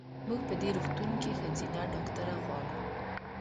مونږ په دې روغتون کې ښځېنه ډاکټره غواړو.